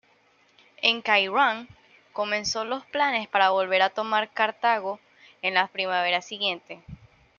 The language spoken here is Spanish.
En Kairuán, comenzó los planes para volver a tomar Cartago en la siguiente primavera.